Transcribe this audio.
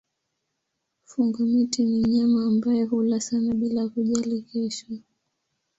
Fungo-miti ni mnyama ambaye hula sana bila kujali kesho.